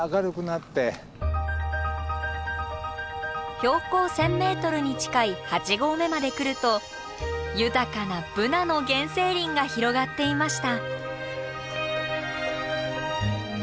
標高１，０００ｍに近い八合目まで来ると豊かなブナの原生林が広がっていました。